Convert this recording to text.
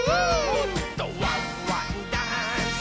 「もっと」「ワンワンダンス！」